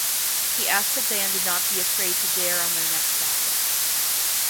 He asked the band not to be afraid to dare on their next album.